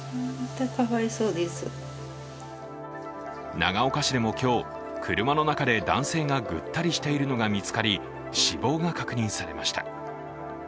長岡市でも今日、車の中で男性がぐったりしているのが見つかり死亡が確認されました。